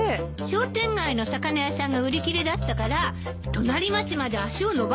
商店街の魚屋さんが売り切れだったから隣町まで足を延ばしてきたの。